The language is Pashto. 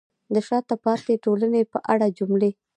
د شاته پاتې ټولنې په اړه جملې: